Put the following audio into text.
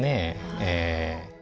ええ。